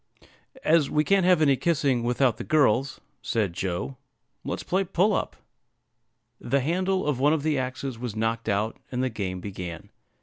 "As we can't have any kissing without the girls," said Joe, "let's play 'Pull up.'" The handle of one of the axes was knocked out, and the game began.